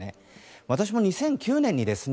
私も２００９年にですね